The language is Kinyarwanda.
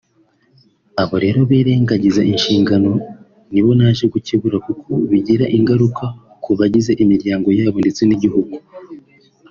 Abo rero birengagiza inshingano nibo naje gukebura kuko bigira ingaruka ku bagize imiryango yabo ndetse n’igihugu